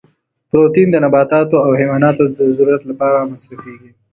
پروتین د نباتاتو او حیواناتو د ضرورت لپاره مصرفیږي.